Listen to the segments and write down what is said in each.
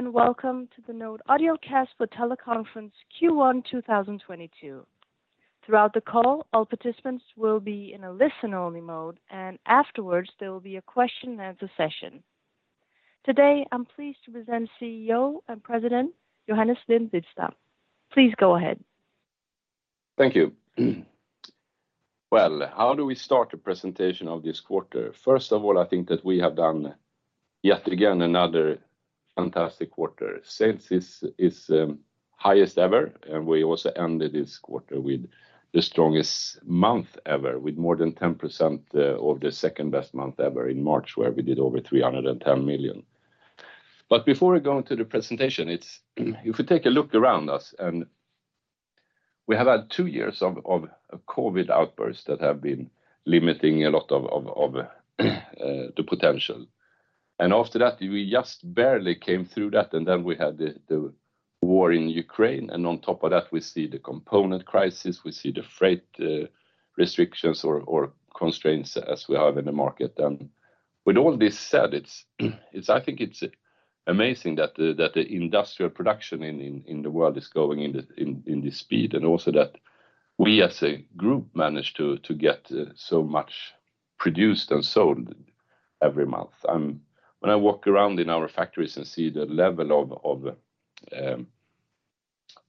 Welcome to the NOTE Audiocast for Teleconference Q1 2022. Throughout the call, all participants will be in a listen-only mode, and afterwards, there will be a question and answer session. Today, I'm pleased to present CEO and President, Johannes Lind-Widestam. Please go ahead. Thank you. Well, how do we start a presentation of this quarter? First of all, I think that we have done, yet again, another fantastic quarter. Sales is highest ever, and we also ended this quarter with the strongest month ever, with more than 10% of the second-best month ever in March, where we did over 310 million. Before we go into the presentation, if you take a look around us and we have had two years of COVID outbursts that have been limiting a lot of the potential. After that, we just barely came through that. Then we had the war in Ukraine. On top of that, we see the component crisis, we see the freight restrictions or constraints as we have in the market. With all this said, I think it's amazing that the industrial production in the world is going in this speed, and also that we as a group managed to get so much produced and sold every month. When I walk around in our factories and see the level of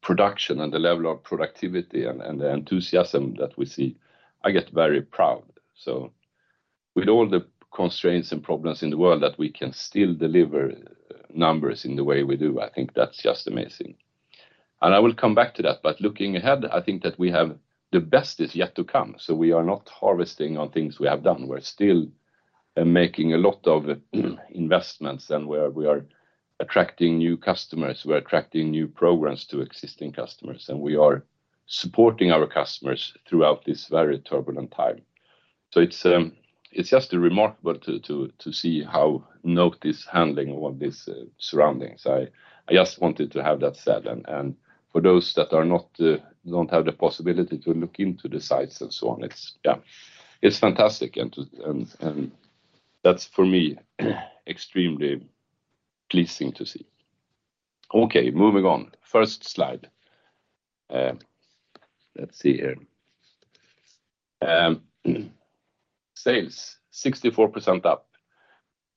production and the level of productivity and the enthusiasm that we see, I get very proud. With all the constraints and problems in the world that we can still deliver numbers in the way we do, I think that's just amazing. I will come back to that. Looking ahead, I think that we have the best is yet to come. We are not harvesting on things we have done. We're still making a lot of investments. We are attracting new customers, we're attracting new programs to existing customers, and we are supporting our customers throughout this very turbulent time. It's just remarkable to see how NOTE is handling all these surroundings. I just wanted to have that said. For those that don't have the possibility to look into the sites and so on, it's fantastic. That's for me extremely pleasing to see. Okay, moving on. First slide. Let's see here. Sales 64% up.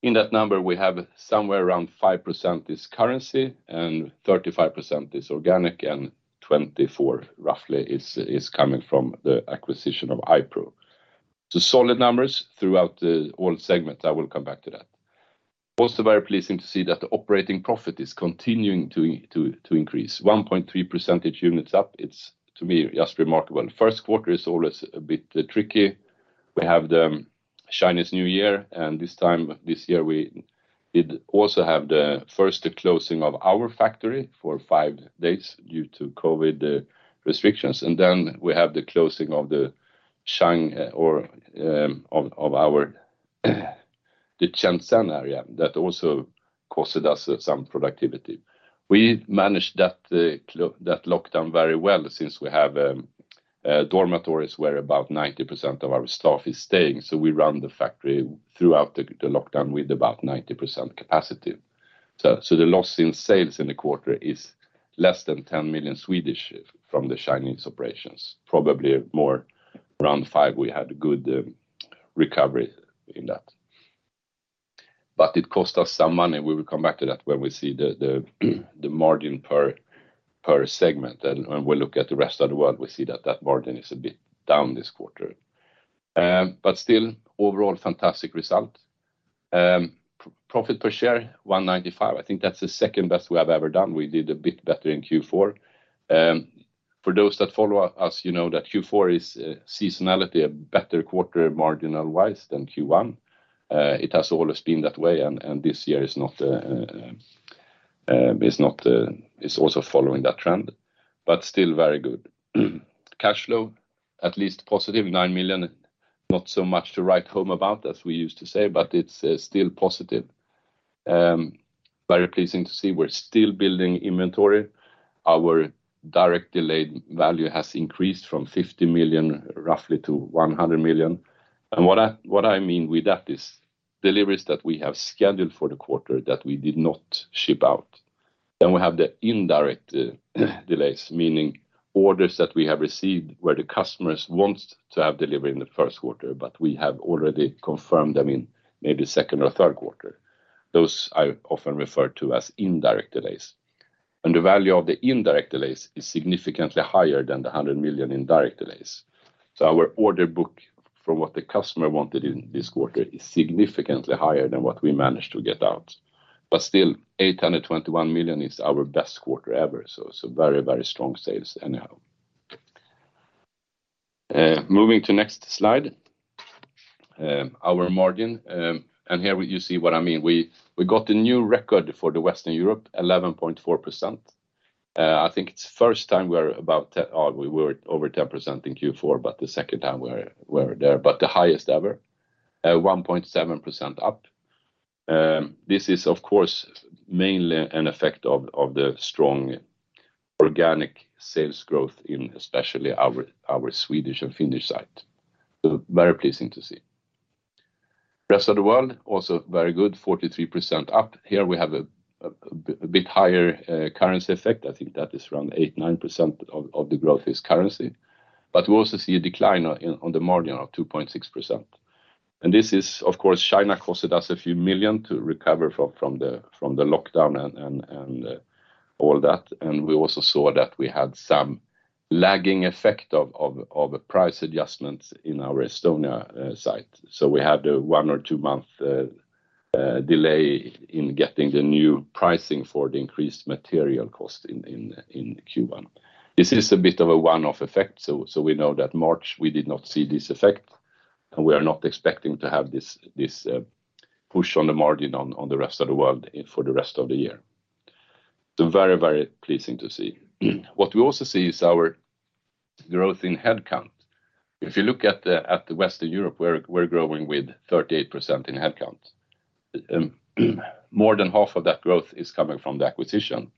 In that number we have somewhere around 5% is currency and 35% is organic, and 24% roughly is coming from the acquisition of iPRO. Solid numbers throughout the whole segment. I will come back to that. Also very pleasing to see that the operating profit is continuing to increase 1.3 percentage points. It's to me just remarkable. First quarter is always a bit tricky. We have the Chinese New Year, and this time this year we did also have the first closing of our factory for five days due to COVID restrictions. We have the closing of our Shenzhen area. That also costed us some productivity. We managed that lockdown very well since we have dormitories where about 90% of our staff is staying. We run the factory throughout the lockdown with about 90% capacity. The loss in sales in the quarter is less than 10 million from the Chinese operations, probably more around 5 million. We had good recovery in that. It cost us some money. We will come back to that when we see the margin per segment. When we look at the rest of the world, we see that margin is a bit down this quarter. Still overall fantastic result. Profit per share 1.95. I think that's the second best we have ever done. We did a bit better in Q4. For those that follow us, you know that Q4 is seasonality a better quarter margin-wise than Q1. It has always been that way. This year is also following that trend, but still very good. Cash flow at least positive 9 million, not so much to write home about, as we used to say, but it's still positive. Very pleasing to see we're still building inventory. Our direct delayed value has increased from 50 million roughly to 100 million. What I mean with that is deliveries that we have scheduled for the quarter that we did not ship out. Then we have the indirect delays, meaning orders that we have received where the customers wants to have delivery in the first quarter, but we have already confirmed, I mean, maybe second or third quarter. Those I often refer to as indirect delays. The value of the indirect delays is significantly higher than the 100 million in direct delays. Our order book from what the customer wanted in this quarter is significantly higher than what we managed to get out. Still, 821 million is our best quarter ever. Very strong sales anyhow. Moving to next slide, our margin, and here you see what I mean. We got a new record for Western Europe, 11.4%. I think it's first time we're about— Oh, we were over 10% in Q4, but the second time we're there, but the highest ever at 1.7% up. This is of course mainly an effect of the strong organic sales growth in especially our Swedish and Finnish site. Very pleasing to see. Rest of the world also very good, 43% up. Here we have a bit higher currency effect. I think that is around 8%-9% of the growth is currency. We also see a decline in the margin of 2.6%. This is, of course, China cost us a few million to recover from the lockdown and all that. We also saw that we had some lagging effect of price adjustments in our Estonia site. We had a one or two month delay in getting the new pricing for the increased material cost in Q1. This is a bit of a one-off effect, so we know that March we did not see this effect, and we are not expecting to have this push on the margin on the rest of the world for the rest of the year. Very pleasing to see. What we also see is our growth in headcount. If you look at the Western Europe, we're growing with 38% in headcount. More than half of that growth is coming from the acquisition.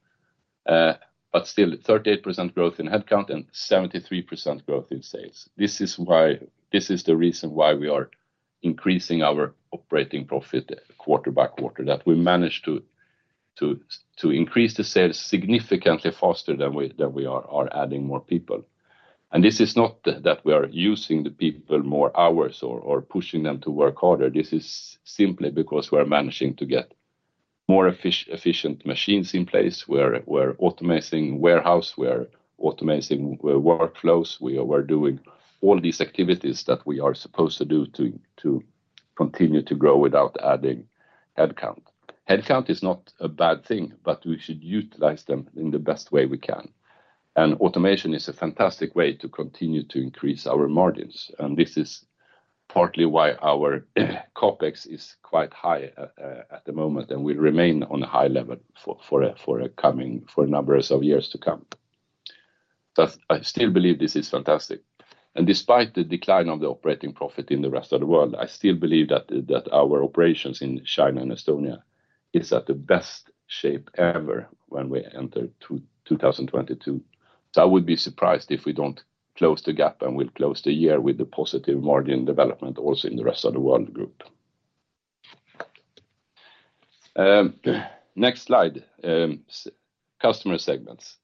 Still, 38% growth in headcount and 73% growth in sales. This is the reason why we are increasing our operating profit quarter-by-quarter, that we manage to increase the sales significantly faster than we are adding more people. This is not that we are using the people more hours or pushing them to work harder. This is simply because we are managing to get more efficient machines in place. We're automating warehouse, we're automating workflows. We are doing all these activities that we are supposed to do to continue to grow without adding headcount. Headcount is not a bad thing, but we should utilize them in the best way we can. Automation is a fantastic way to continue to increase our margins. This is partly why our CapEx is quite high at the moment, and will remain on a high level for a number of years to come. I still believe this is fantastic. Despite the decline of the operating profit in the rest of the world, I still believe that our operations in China and Estonia is at the best shape ever when we enter 2022. I would be surprised if we don't close the gap, and we'll close the year with a positive margin development also in the rest of the world group. Next slide, customer segments.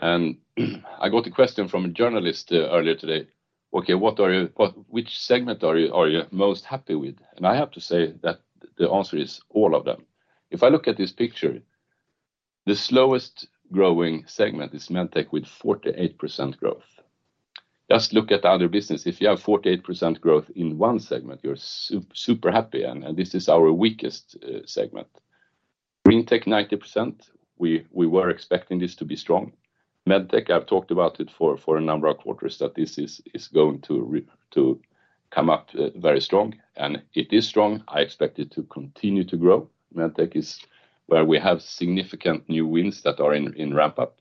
I got a question from a journalist earlier today. "Okay, which segment are you most happy with?" I have to say that the answer is all of them. If I look at this picture, the slowest growing segment is MedTech with 48% growth. Just look at the other business. If you have 48% growth in one segment, you're super happy and this is our weakest segment. GreenTech, 90%. We were expecting this to be strong. MedTech, I've talked about it for a number of quarters, that this is going to come up very strong, and it is strong. I expect it to continue to grow. MedTech is where we have significant new wins that are in ramp-up.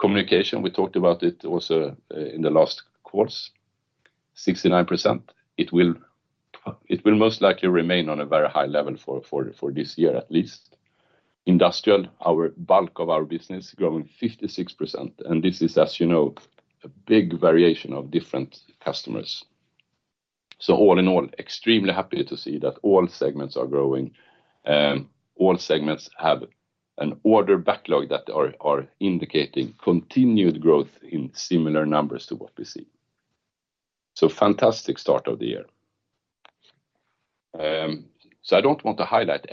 Communication, we talked about it also in the last quarters, 69%. It will most likely remain on a very high level for this year at least. Industrial, our bulk of our business, growing 56%, and this is, as you know, a big variation of different customers. All in all, extremely happy to see that all segments are growing. All segments have an order backlog that are indicating continued growth in similar numbers to what we see. Fantastic start of the year. I don't want to highlight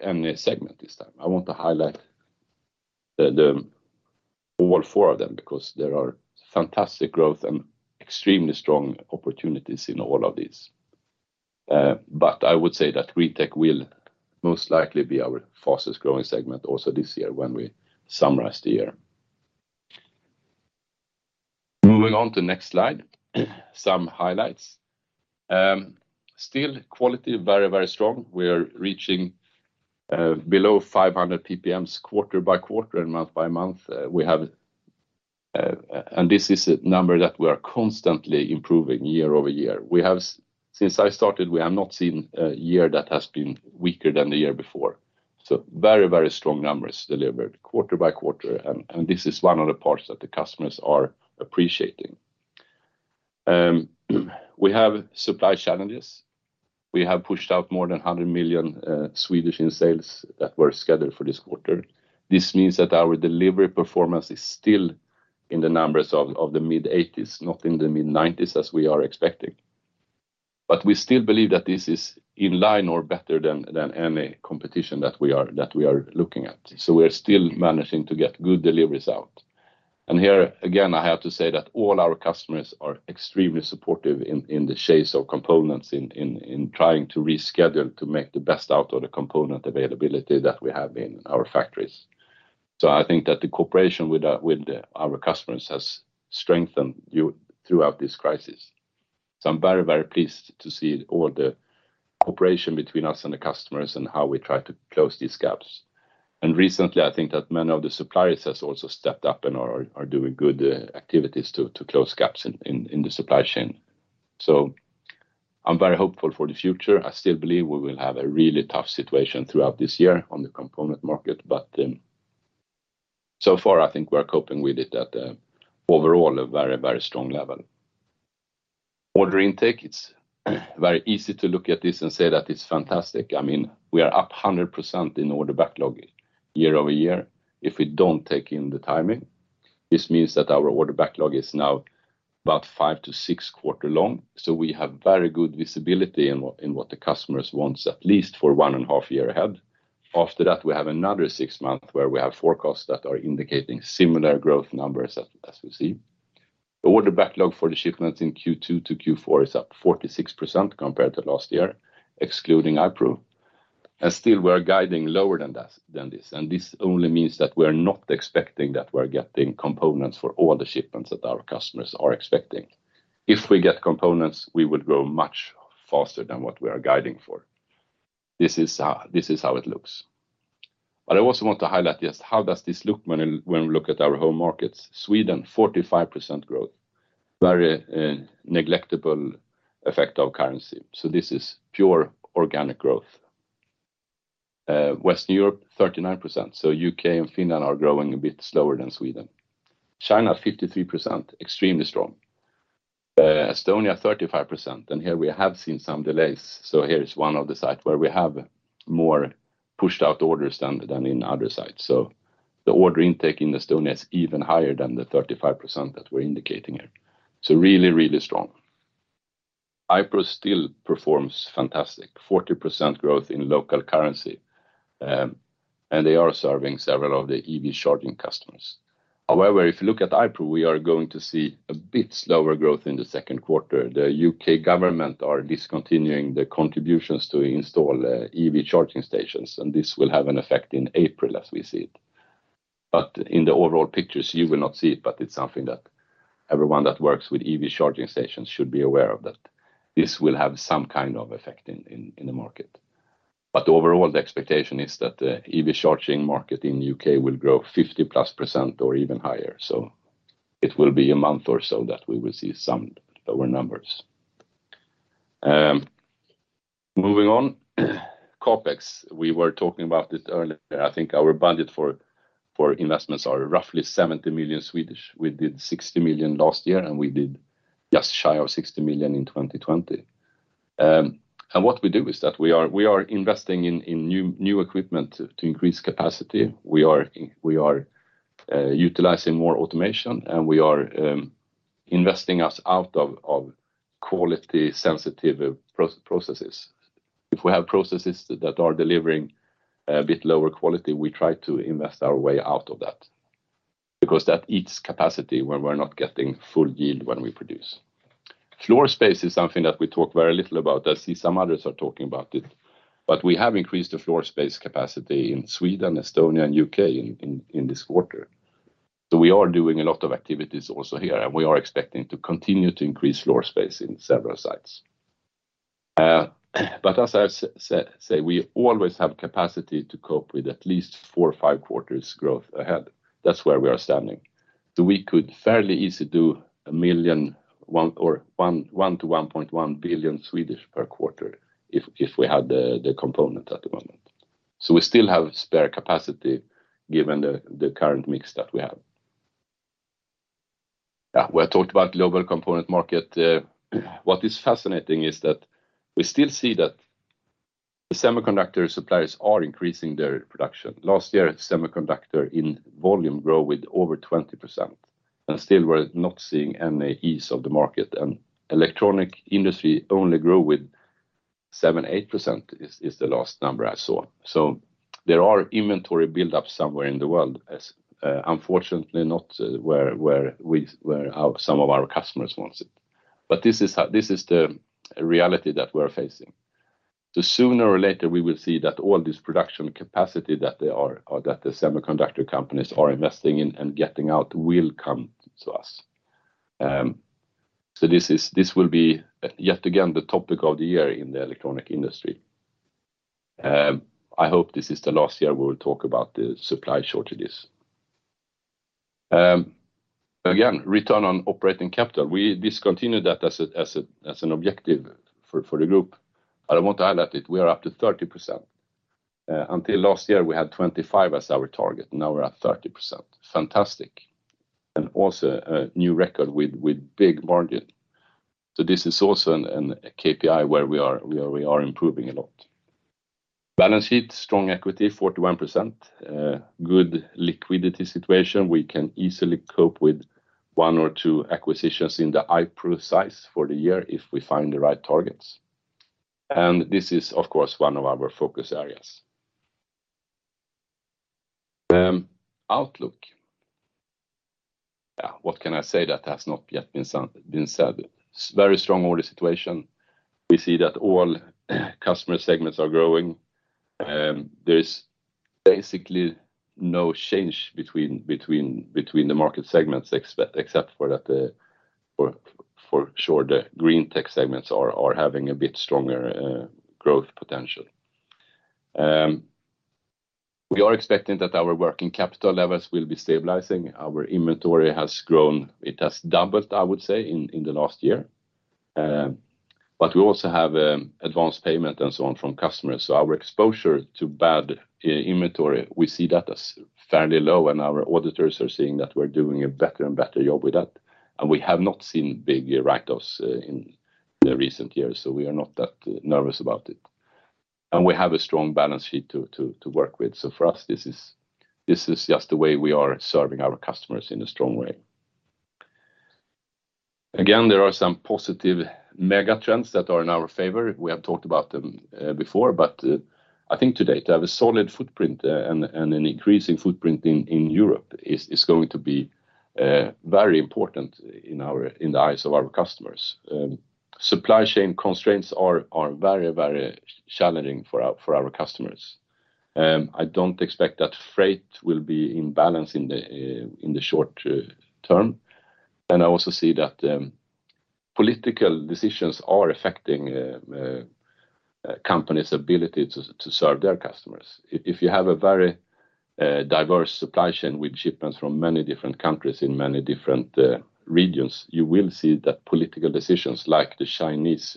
any segment this time. I want to highlight all four of them, because there are fantastic growth and extremely strong opportunities in all of these. I would say that GreenTech will most likely be our fastest-growing segment also this year when we summarize the year. Moving on to next slide, some highlights. Still quality very strong. We're reaching below 500 PPM quarter-by-quarter and month by month. We have and this is a number that we are constantly improving year-over-year. Since I started, we have not seen a year that has been weaker than the year before. Very, very strong numbers delivered quarter by quarter, and this is one of the parts that the customers are appreciating. We have supply challenges. We have pushed out more than 100 million in sales that were scheduled for this quarter. This means that our delivery performance is still in the numbers of the mid-SEK 80 million, not in the mid-SEK 90 million as we are expecting. We still believe that this is in line or better than any competition that we are looking at. We are still managing to get good deliveries out. Here again, I have to say that all our customers are extremely supportive in the chase of components in trying to reschedule to make the best out of the component availability that we have in our factories. I think that the cooperation with our customers has strengthened throughout this crisis. I'm very, very pleased to see all the cooperation between us and the customers and how we try to close these gaps. Recently, I think that many of the suppliers has also stepped up and are doing good activities to close gaps in the supply chain. I'm very hopeful for the future. I still believe we will have a really tough situation throughout this year on the component market. So far, I think we are coping with it at a overall a very, very strong level. Order intake, it's very easy to look at this and say that it's fantastic. I mean, we are up 100% in order backlog year-over-year if we don't take in the timing. This means that our order backlog is now about five-six quarters long. We have very good visibility in what the customers want, at least for one and a half years ahead. After that, we have another six months where we have forecasts that are indicating similar growth numbers as we see. Order backlog for the shipments in Q2-Q4 is up 46% compared to last year, excluding IP`RO. Still we're guiding lower than this. This only means that we're not expecting that we're getting components for all the shipments that our customers are expecting. If we get components, we would grow much faster than what we are guiding for. This is how it looks. I also want to highlight this, how does this look when we look at our home markets? Sweden, 45% growth. Very negligible effect of currency. This is pure organic growth. Western Europe, 39%. U.K. and Finland are growing a bit slower than Sweden. China, 53%, extremely strong. Estonia, 35%, and here we have seen some delays. Here is one of the sites where we have more pushed out orders than in other sites. The order intake in Estonia is even higher than the 35% that we're indicating here. Really strong. iPRO still performs fantastic. 40% growth in local currency. They are serving several of the EV charging customers. However, if you look at iPRO, we are going to see a bit slower growth in the second quarter. The U.K. government is discontinuing the contributions to install EV charging stations, and this will have an effect in April as we see it. In the overall picture, you will not see it, but it's something that everyone that works with EV charging stations should be aware of that this will have some kind of effect in the market. Overall, the expectation is that the EV charging market in U.K. will grow 50%+ or even higher. It will be a month or so that we will see some lower numbers. Moving on, CapEx. We were talking about this earlier. I think our budget for investments is roughly 70 million. We did 60 million last year, and we did just shy of 60 million in 2020. What we do is that we are investing in new equipment to increase capacity. We are utilizing more automation, and we are investing our way out of quality-sensitive processes. If we have processes that are delivering a bit lower quality, we try to invest our way out of that because that eats capacity when we're not getting full yield when we produce. Floor space is something that we talk very little about. I see some others are talking about it, but we have increased the floor space capacity in Sweden, Estonia and U.K. in this quarter. We are doing a lot of activities also here, and we are expecting to continue to increase floor space in several sites. As I've said, we always have capacity to cope with at least four or five quarters growth ahead. That's where we are standing. We could fairly easily do 1.1 billion per quarter if we had the component at the moment. We still have spare capacity given the current mix that we have. Yeah, we have talked about global component market. What is fascinating is that we still see that the semiconductor suppliers are increasing their production. Last year, semiconductor volume grew with over 20% and still we're not seeing any easing of the market. The electronics industry only grew with 7%-8%, the last number I saw. There are inventory build up somewhere in the world, unfortunately not where our some of our customers want it. This is the reality that we're facing. Sooner or later, we will see that all this production capacity that the semiconductor companies are investing in and getting out will come to us. This will be yet again the topic of the year in the electronics industry. I hope this is the last year we will talk about the supply shortages. Again, return on operating capital. We discontinued that as an objective for the group. I want to highlight it. We are up to 30%. Until last year, we had 25% as our target. Now we're at 30%. Fantastic. Also a new record with big margin. This is also a KPI where we are improving a lot. Balance sheet, strong equity, 41%. Good liquidity situation. We can easily cope with one or two acquisitions in the IPO size for the year if we find the right targets. This is of course one of our focus areas. Outlook. What can I say that has not yet been said? Very strong order situation. We see that all customer segments are growing. There is basically no change between the market segments except for that, for sure the GreenTech segments are having a bit stronger growth potential. We are expecting that our working capital levels will be stabilizing. Our inventory has grown. It has doubled, I would say, in the last year. We also have advanced payment and so on from customers. Our exposure to bad inventory, we see that as fairly low, and our auditors are seeing that we're doing a better and better job with that. We have not seen big write-offs in the recent years, so we are not that nervous about it. We have a strong balance sheet to work with. For us, this is just the way we are serving our customers in a strong way. Again, there are some positive mega trends that are in our favor. We have talked about them before, but I think today to have a solid footprint and an increasing footprint in Europe is going to be very important in the eyes of our customers. Supply chain constraints are very challenging for our customers. I don't expect that freight will be in balance in the short term. I also see that political decisions are affecting companies' ability to serve their customers. If you have a very diverse supply chain with shipments from many different countries in many different regions, you will see that political decisions like the Chinese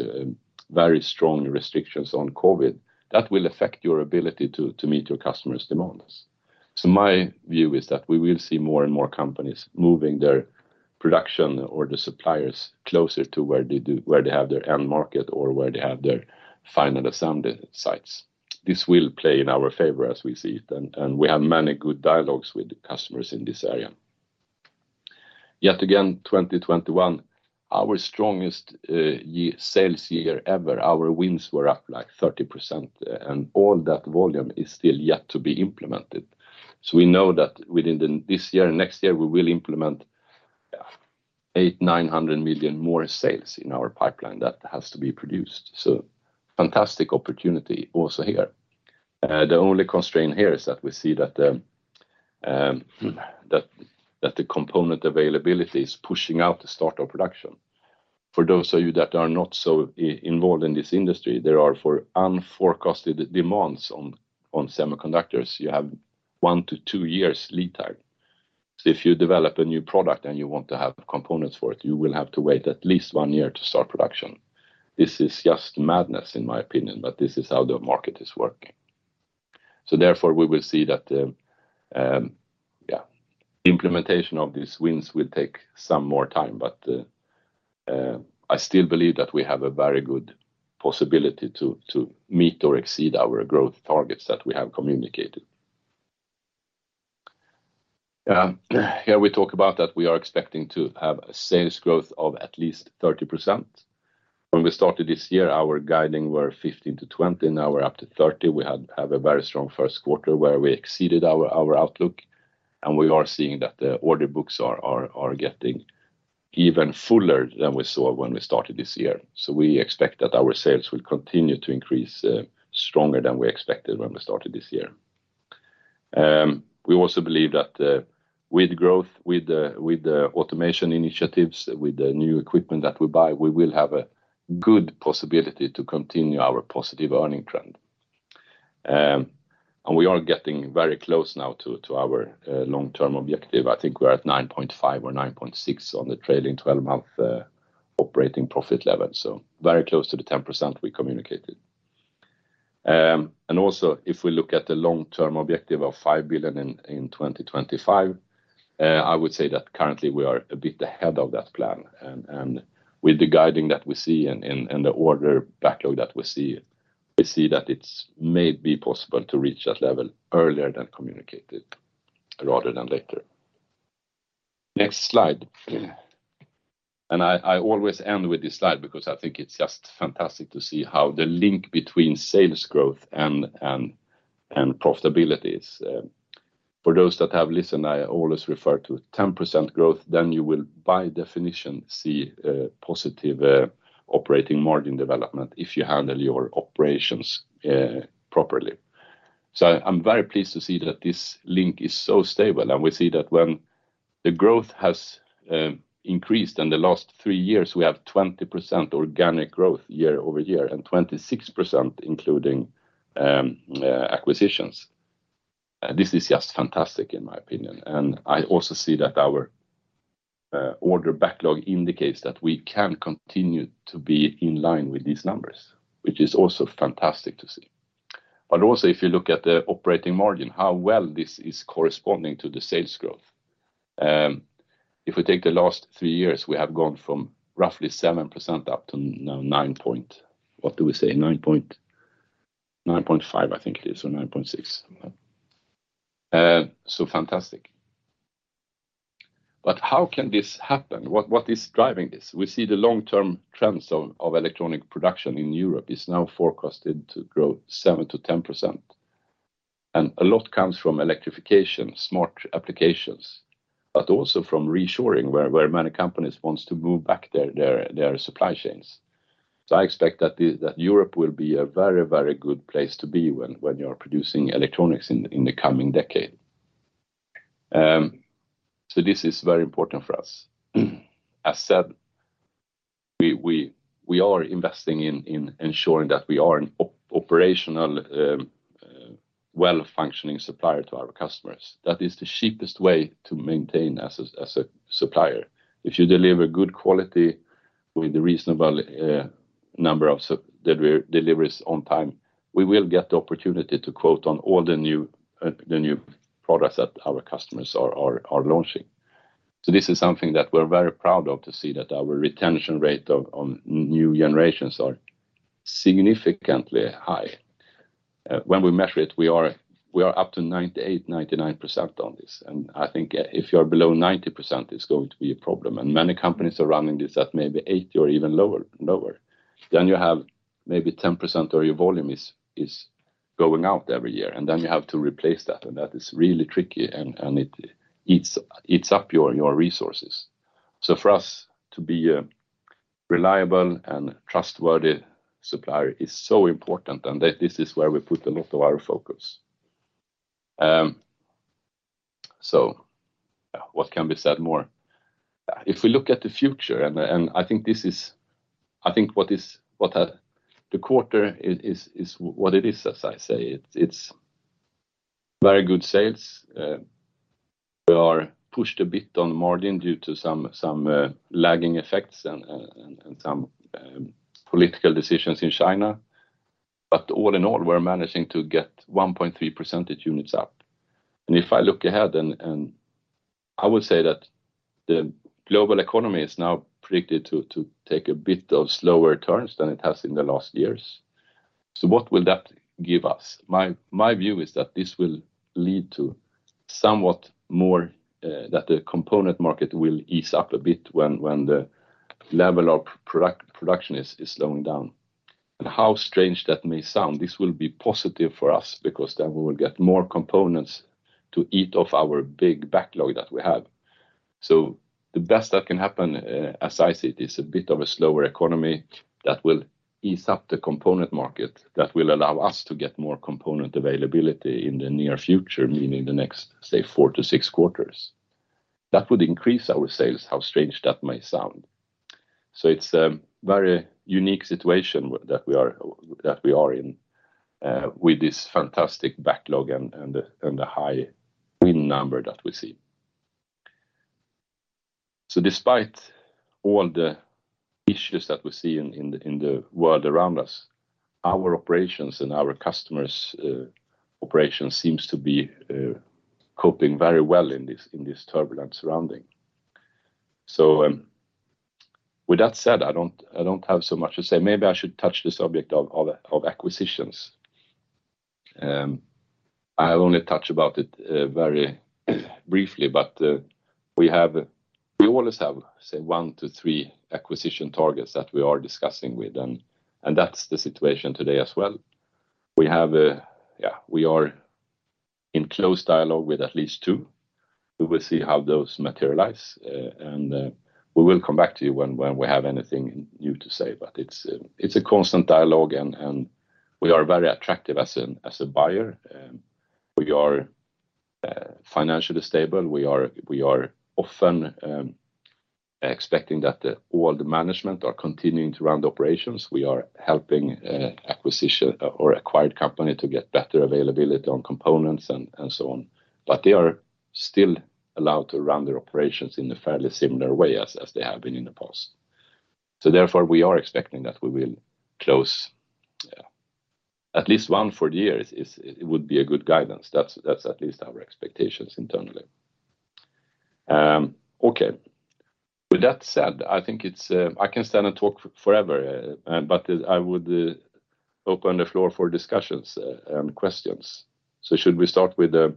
very strong restrictions on COVID that will affect your ability to meet your customers' demands. My view is that we will see more and more companies moving their production or the suppliers closer to where they have their end market or where they have their final assembly sites. This will play in our favor as we see it, and we have many good dialogues with the customers in this area. Yet again, 2021, our strongest sales year ever. Our wins were up like 30%, and all that volume is still yet to be implemented. We know that within this year and next year, we will implement 800 million-900 million more sales in our pipeline that has to be produced. Fantastic opportunity also here. The only constraint here is that we see that the component availability is pushing out the start of production. For those of you that are not so involved in this industry, there are unforeseen demands on semiconductors, you have one-two years lead time. If you develop a new product and you want to have components for it, you will have to wait at least one year to start production. This is just madness in my opinion, but this is how the market is working. Therefore, we will see that implementation of these wins will take some more time. I still believe that we have a very good possibility to meet or exceed our growth targets that we have communicated. Here we talk about that we are expecting to have a sales growth of at least 30%. When we started this year, our guidance were 15%-20%. Now we're up to 30%. We have a very strong first quarter where we exceeded our outlook, and we are seeing that the order books are getting even fuller than we saw when we started this year. We expect that our sales will continue to increase stronger than we expected when we started this year. We also believe that with growth, with the automation initiatives, with the new equipment that we buy, we will have a good possibility to continue our positive earning trend. We are getting very close now to our long-term objective. I think we're at 9.5% or 9.6% on the trailing twelve-month operating profit level, so very close to the 10% we communicated. Also if we look at the long-term objective of 5 billion in 2025, I would say that currently we are a bit ahead of that plan. With the guidance that we see and the order backlog that we see, we see that it may be possible to reach that level earlier than communicated rather than later. Next slide. I always end with this slide because I think it's just fantastic to see how the link between sales growth and profitability is. For those that have listened, I always refer to 10% growth, then you will by definition see positive operating margin development if you handle your operations properly. I'm very pleased to see that this link is so stable, and we see that when the growth has increased in the last three years, we have 20% organic growth year-over-year and 26% including acquisitions. This is just fantastic in my opinion. I also see that our order backlog indicates that we can continue to be in line with these numbers, which is also fantastic to see. If you look at the operating margin, how well this is corresponding to the sales growth. If we take the last three years, we have gone from roughly 7% up to now 9.5% I think it is, or 9.6%. So fantastic. How can this happen? What is driving this? We see the long-term trends of electronic production in Europe is now forecasted to grow 7%-10%. A lot comes from electrification, smart applications, but also from reshoring where many companies wants to move back their supply chains. I expect that Europe will be a very good place to be when you are producing electronics in the coming decade. This is very important for us. I said we are investing in ensuring that we are in operational well-functioning supplier to our customers. That is the cheapest way to maintain as a supplier. If you deliver good quality with a reasonable number of deliveries on time, we will get the opportunity to quote on all the new products that our customers are launching. This is something that we're very proud of to see that our retention rate on new generations are significantly high. When we measure it, we are up to 98%, 99% on this. I think if you're below 90%, it's going to be a problem. Many companies are running this at maybe 80% or even lower. You have maybe 10% of your volume is going out every year, and then you have to replace that, and that is really tricky and it eats up your resources. For us to be a reliable and trustworthy supplier is so important, and this is where we put a lot of our focus. What can be said more? If we look at the future and I think what the quarter is what it is, as I say. It's very good sales. We are pushed a bit on margin due to some lagging effects and some political decisions in China. But all in all, we're managing to get 1.3 percentage units up. If I look ahead and I would say that the global economy is now predicted to take a bit of slower turns than it has in the last years. What will that give us? My view is that this will lead to somewhat more that the component market will ease up a bit when the level of production is slowing down. How strange that may sound, this will be positive for us because then we will get more components to eat off our big backlog that we have. The best that can happen, as I see it, is a bit of a slower economy that will ease up the component market, that will allow us to get more component availability in the near future, meaning the next, say, four-six quarters. That would increase our sales, how strange that may sound. It's a very unique situation that we are in with this fantastic backlog and the high win number that we see. Despite all the issues that we see in the world around us, our operations and our customers' operations seem to be coping very well in this turbulent surrounding. With that said, I don't have so much to say. Maybe I should touch the subject of acquisitions. I only touch about it very briefly, but we always have, say, one-three acquisition targets that we are discussing with, and that's the situation today as well. We are in close dialogue with at least two. We will see how those materialize. We will come back to you when we have anything new to say. It's a constant dialogue and we are very attractive as a buyer. We are financially stable. We are often expecting that all the management are continuing to run the operations. We are helping acquisition or acquired company to get better availability on components and so on. They are still allowed to run their operations in a fairly similar way as they have been in the past. Therefore, we are expecting that we will close at least one for the year. It would be a good guidance. That's at least our expectations internally. Okay. With that said, I think I can stand and talk forever, but I would open the floor for discussions and questions. Should we start with the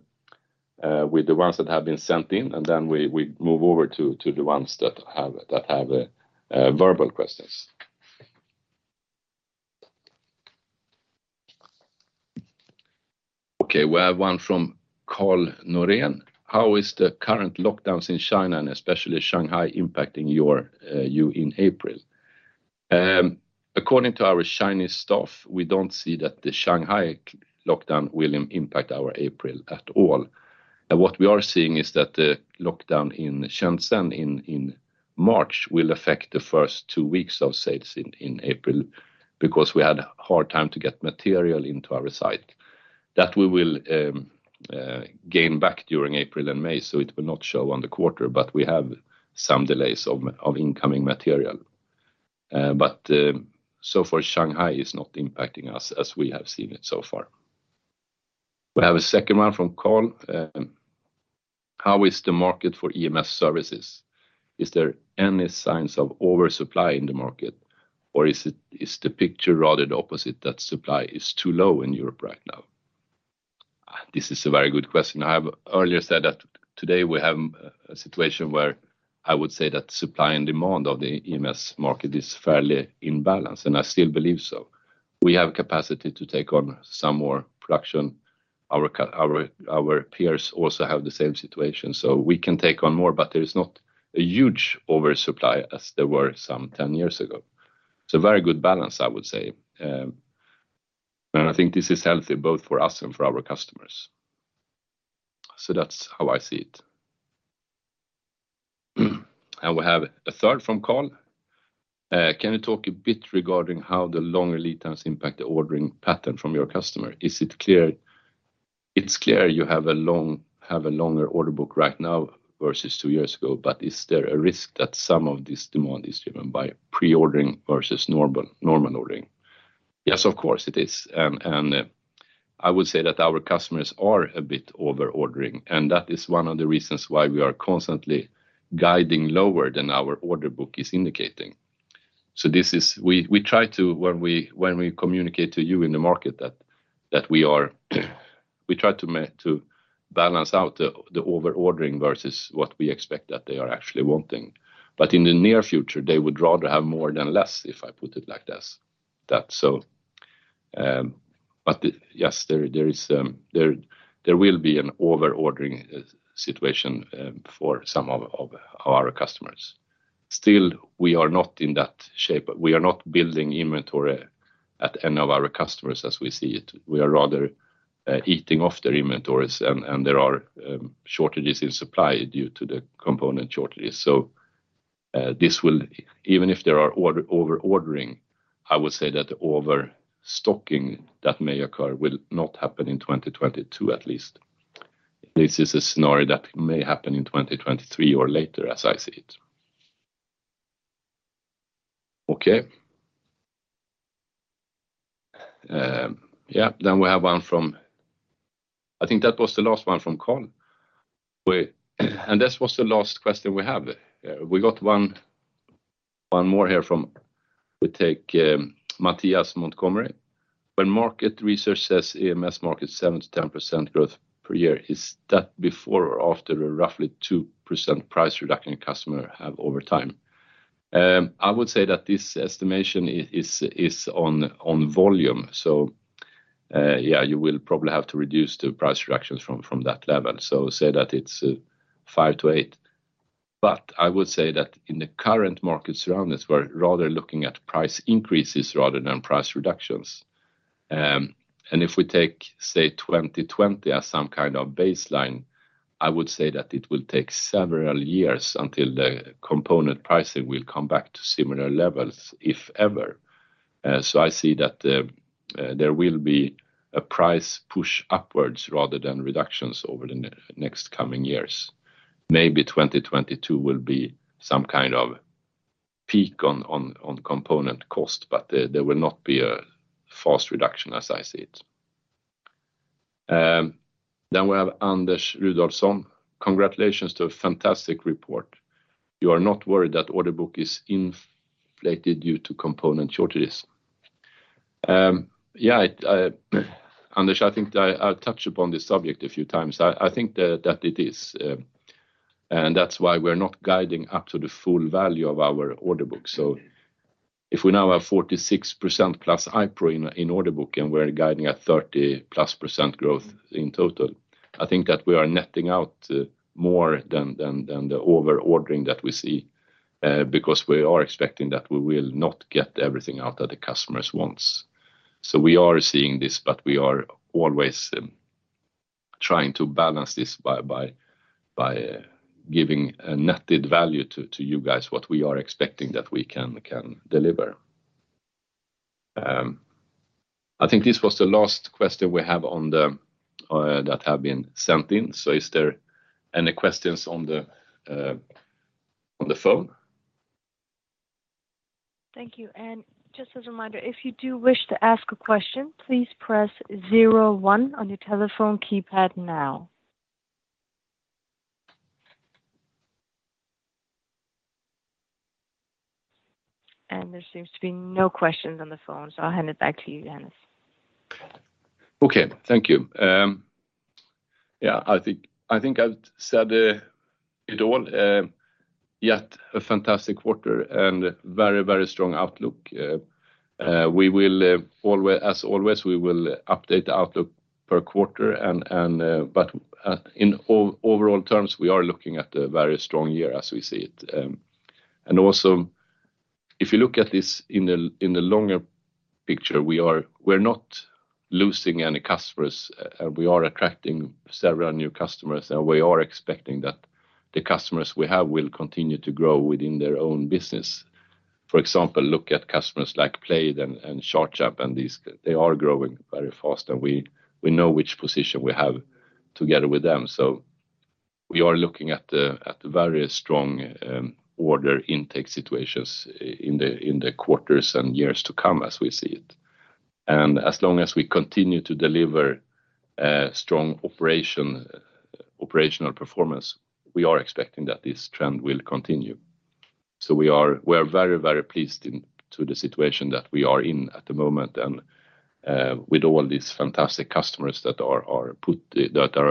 ones that have been sent in, and then we move over to the ones that have verbal questions? Okay, we have one from Carl Norén. How is the current lockdowns in China and especially Shanghai impacting you in April? According to our Chinese staff, we don't see that the Shanghai lockdown will impact our April at all. What we are seeing is that the lockdown in Shenzhen in March will affect the first two weeks of sales in April because we had a hard time to get material into our site. That we will gain back during April and May, so it will not show on the quarter, but we have some delays of incoming material. So far Shanghai is not impacting us as we have seen it so far. We have a second one from Carl. How is the market for EMS services? Is there any signs of oversupply in the market, or is the picture rather the opposite, that supply is too low in Europe right now? This is a very good question. I have earlier said that today we have a situation where I would say that supply and demand of the EMS market is fairly in balance, and I still believe so. We have capacity to take on some more production. Our peers also have the same situation, so we can take on more, but there is not a huge oversupply as there were some 10 years ago. It's a very good balance, I would say. I think this is healthy both for us and for our customers. That's how I see it. We have a third from Carl. Can you talk a bit regarding how the long lead times impact the ordering pattern from your customer? It's clear you have a longer order book right now versus two years ago, but is there a risk that some of this demand is driven by pre-ordering versus normal ordering? Yes, of course it is. I would say that our customers are a bit over-ordering, and that is one of the reasons why we are constantly guiding lower than our order book is indicating. We try to balance out the over-ordering versus what we expect that they are actually wanting when we communicate to you in the market. In the near future, they would rather have more than less, if I put it like this. Yes, there will be an over-ordering situation for some of our customers. Still, we are not in that shape. We are not building inventory at any of our customers as we see it. We are rather eating off their inventories and there are shortages in supply due to the component shortages. Even if there is over-ordering, I would say that the overstocking that may occur will not happen in 2022 at least. This is a scenario that may happen in 2023 or later as I see it. I think that was the last one from Carl. This was the last question we have. We got one more here from Mattias Montgomery. When market research says EMS market 7%-10% growth per year, is that before or after a roughly 2% price reduction customers have over time? I would say that this estimation is on volume. You will probably have to reduce the price reductions from that level. Say that it's 5%-8%. I would say that in the current market surroundings, we're rather looking at price increases rather than price reductions. If we take, say, 2020 as some kind of baseline, I would say that it will take several years until the component pricing will come back to similar levels, if ever. I see that there will be a price push upwards rather than reductions over the next coming years. Maybe 2022 will be some kind of peak on component cost, but there will not be a fast reduction as I see it. We have Anders Rudolfsson. Congratulations to a fantastic report. You are not worried that order book is inflated due to component shortages? Yeah, Anders, I think I touched upon this subject a few times. I think that it is, and that's why we're not guiding up to the full value of our order book. If we now have 46%+ iPRO in order book and we're guiding at 30%+ growth in total, I think that we are netting out more than the over-ordering that we see because we are expecting that we will not get everything out that the customers wants. We are seeing this, but we are always trying to balance this by giving a netted value to you guys what we are expecting that we can deliver. I think this was the last question we have on the chat that have been sent in. Is there any questions on the phone? Thank you. Just as a reminder, if you do wish to ask a question, please press zero one on your telephone keypad now. There seems to be no questions on the phone, so I'll hand it back to you, Johannes. Okay. Thank you. I think I've said it all. We had a fantastic quarter and very, very strong outlook. As always, we will update the outlook per quarter and but in overall terms, we are looking at a very strong year as we see it. If you look at this in the longer picture, we're not losing any customers. We are attracting several new customers, and we are expecting that the customers we have will continue to grow within their own business. For example, look at customers like Plejd and Charge Amps and these. They are growing very fast, and we know which position we have together with them. We are looking at a very strong order intake situation in the quarters and years to come as we see it. As long as we continue to deliver strong operational performance, we are expecting that this trend will continue. We are very pleased into the situation that we are in at the moment and with all these fantastic customers that are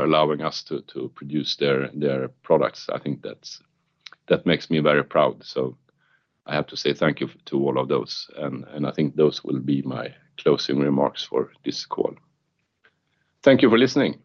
allowing us to produce their products. I think that makes me very proud. I have to say thank you to all of those. I think those will be my closing remarks for this call. Thank you for listening.